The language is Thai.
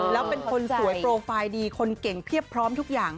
แล้วเป็นคนสวยโปรไฟล์ดีคนเก่งเพียบพร้อมทุกอย่าง